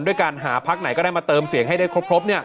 ด้วยการหาพักไหนก็ได้มาเติมเสียงให้ได้ครบ